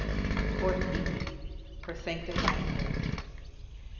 FOURTH EVENING. FOR SANCTIFYING GRACE.